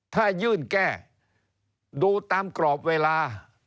ถ้ายื่นแก้ดูตามกรอบเวลา